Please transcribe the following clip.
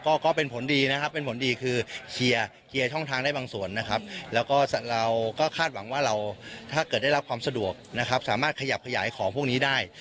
ก็เป็นผลดีนะครับเป็นผลดีคือเคลียร์ช่องทางได้บางส่วนนะครับแล้วก็เราก็คาดหวังว่าเราถ้าเกิดได้รับความสะดวกนะครับสามารถขยับขยายของพวกนี้ได้